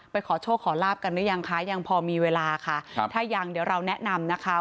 ขอโชคขอลาบกันหรือยังคะยังพอมีเวลาค่ะครับถ้ายังเดี๋ยวเราแนะนำนะคะ